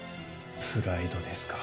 プライドですか。